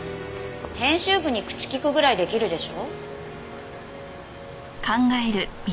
編集部に口利くぐらい出来るでしょ？